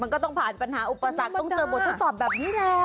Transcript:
มันก็ต้องผ่านปัญหาอุปสรรคต้องเจอบททดสอบแบบนี้แหละ